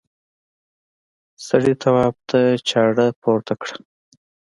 سړي تواب ته چاړه پورته کړه.